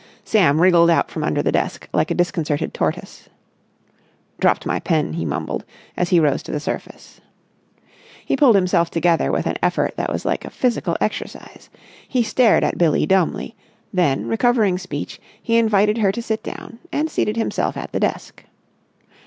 Sam wriggled out from under the desk like a disconcerted tortoise. "Dropped my pen," he mumbled, as he rose to the surface. He pulled himself together with an effort that was like a physical exercise. He stared at Billie dumbly. Then, recovering speech, he invited her to sit down, and seated himself at the desk.